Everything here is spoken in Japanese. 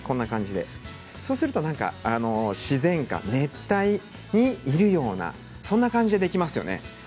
そうすると自然感熱帯にいるようなそんな感じにできますよね。